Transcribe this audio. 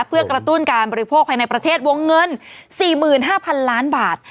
เพื่อกระตุ้นการบริโภคภายในประเทศวงเงิน๔๕๐๐๐ล้านบาท